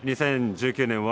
２０１９年